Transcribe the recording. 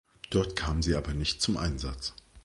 Dort kam sie aber nicht zum Einsatz.